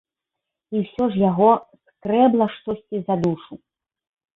І ўсё ж яго скрэбла штосьці за душу.